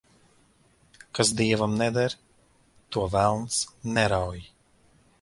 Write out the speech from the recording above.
Kas dievam neder, to velns nerauj.